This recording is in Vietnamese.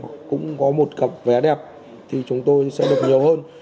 cũng có một cặp vé đẹp thì chúng tôi sẽ được nhiều hơn